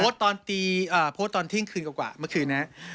โพสต์ตอนตีโพสต์ตอนทิ้งคืนกว่าเมื่อคืนนั้น